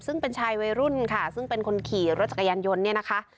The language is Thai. ซึ่งเป็นชายวัยรุ่นค่ะซึ่งเป็นคนขี่รถจักรยานยนต์เนี่ยนะคะ